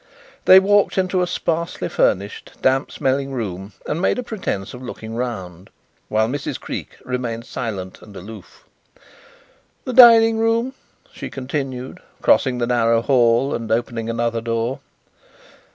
They walked into a sparsely furnished, damp smelling room and made a pretence of looking round, while Mrs. Creake remained silent and aloof. "The dining room," she continued, crossing the narrow hall and opening another door.